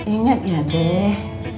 ingat ya deh